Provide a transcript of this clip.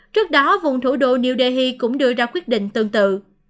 trước đó vùng thủ đô new delhi cũng đưa ra quyết định tương tự